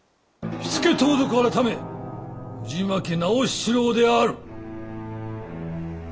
火付盗賊改藤巻直七郎である！